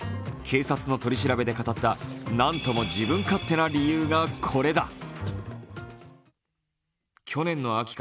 警察の取り調べで語ったなんとも自分勝手な理由がこれだ。